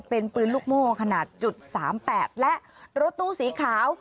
เป็นปืนลูกโม่ขนาดจุดสามแปดและรถตู้สีขาว